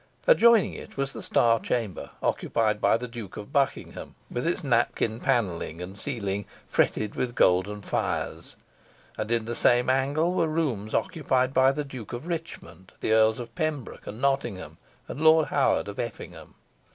Adjoining it was the Star Chamber, occupied by the Duke of Buckingham, with its napkin panelling, and ceiling "fretted with golden fires;" and in the same angle were rooms occupied by the Duke of Richmond, the Earls of Pembroke and Nottingham, and Lord Howard of Effingham.